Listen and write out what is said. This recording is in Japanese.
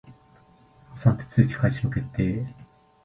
破産手続開始の決定